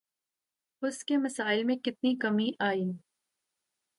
اس کے مسائل میں کتنی کمی آئی؟